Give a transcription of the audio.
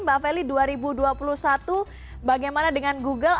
mbak feli dua ribu dua puluh satu bagaimana dengan google